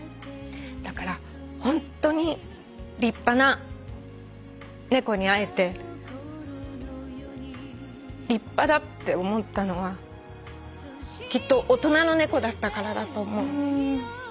だからホントに立派な猫に会えて立派だって思ったのはきっと大人の猫だったからだと思う。